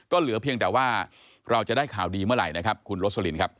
ก็เหลือเพียงแต่ว่าเราจะได้ข่าวดีเมื่อไหร่นะครับคุณโรสลินครับ